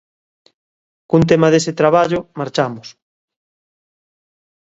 Cun tema dese traballo, marchamos.